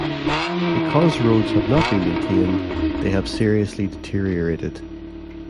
Because roads have not been maintained, they have seriously deteriorated.